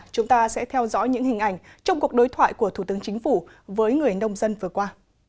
chúng ta sẽ theo dõi những hình ảnh trong cuộc đối thoại của thủ tướng chính phủ với người nông dân vừa qua